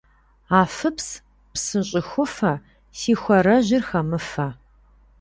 Афыпс, псы щӀыхуфэ, си хуарэжьыр хэмыфэ.